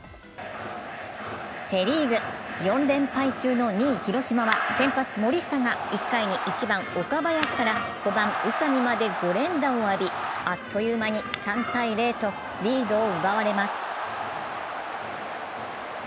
セ・リーグ、４連敗中の２位・広島は先発・森下が１回に１番・岡林から５番・宇佐見まで５連打を浴び、あっという間に３−０とリードを奪われます。